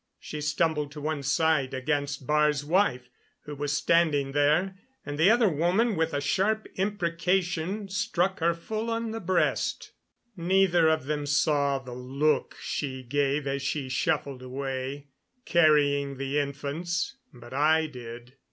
She stumbled to one side against Baar's wife, who was standing there, and the other woman, with a sharp imprecation, struck her full in the breast. Neither of them saw the look she gave as she shuffled away, carrying the infants; but I did.